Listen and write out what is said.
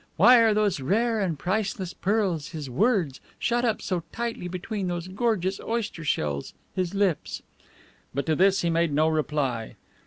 Why are those rare and priceless pearls, his words, shut up so tightly between those gorgeous oyster shells, his lips?" But to this he made no reply.